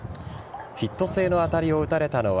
ヒット性の当たりを打たれたのは